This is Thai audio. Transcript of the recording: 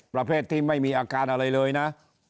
ประเภทที่ไม่มีอาการอะไรเลยนะ